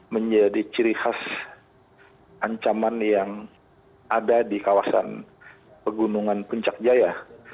menjadi ciri khas ancaman yang ada di kawasan pegunungan puncak jaya